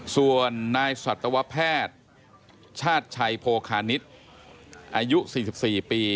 ส่วนนายสัตวแพทย์ชาชัยโพคานิตอายุสี่สิบสี่ปี